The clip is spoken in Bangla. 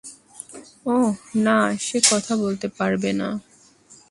অহ, না, সে কথা বলতে পারবে না।